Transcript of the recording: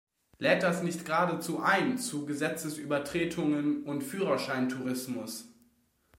Lädt das nicht geradezu ein zu Gesetzesübertretungen und Führerscheintourismus?